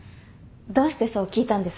どうしてそう聞いたんです？